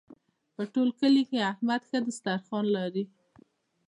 په ټول کلي کې احمد ښه دسترخوان لري.